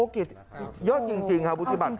เกียรตินิยมยอดจริงค่ะวุฒิบัตรเขา